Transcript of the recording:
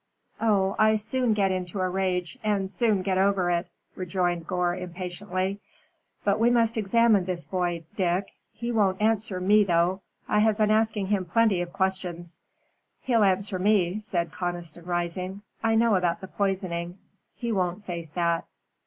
"Oh, I soon get into a rage and soon get over it," rejoined Gore, impatiently. "But we must examine this boy, Dick. He won't answer me though. I have been asking him plenty of questions." "He'll answer me," said Conniston, rising. "I know about the poisoning. He won't face that."